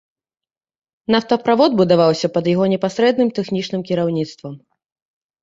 Нафтаправод будаваўся пад яго непасрэдным тэхнічным кіраўніцтвам.